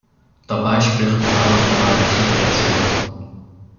Dabei spricht man auch von einer Subvention.